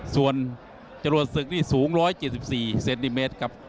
ส่วนจรวดศึกนี่สูง๑๗๔เซนติเมตรครับ